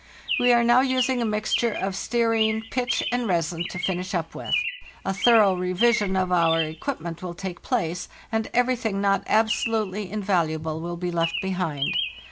We are now using a mixture of stea rine, pitch, and resin,* to finish up with. A thorough revision of our equipment will take place, and everything not absolutely invaluable will be left behind.